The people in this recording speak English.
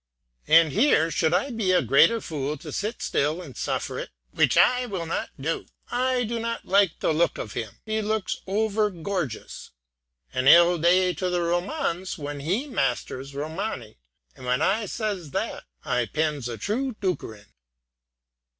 And here should I be a greater fool to sit still and suffer it; which I will not do. I do not like the look of him; he looks over gorgeous. An ill day to the Romans when he masters Romany; and when I says that, I pens a true dukkerin."